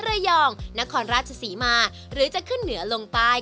ระยองนครราชศรีมาหรือจะขึ้นเหนือลงใต้